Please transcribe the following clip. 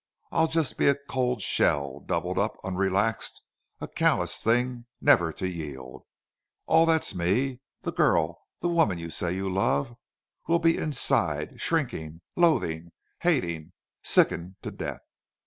I'll just be a cold shell, doubled up, unrelaxed, a callous thing never to yield.... All that's ME, the girl, the woman you say you love will be inside, shrinking, loathing, hating, sickened to death.